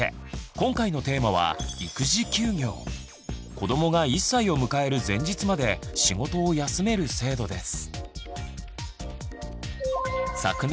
今回のテーマは子どもが１歳を迎える前日まで仕事を休める制度です。